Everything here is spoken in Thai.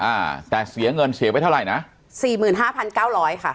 อ่าแต่เสียเงินเสียไปเท่าไหร่นะสี่หมื่นห้าพันเก้าร้อยค่ะ